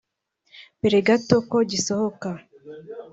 Mbere gato ko gisohoka